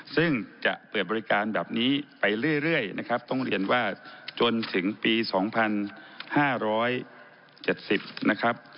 ซึ่งจะเปิดบริการแบบนี้ไปเรื่อยนะครับต้องเรียนว่าจนถึงปี๒๕๗๐นะครับ